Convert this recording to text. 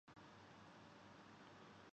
یہ چال، یہ سوچ کب‘ کیسے بدلے گی؟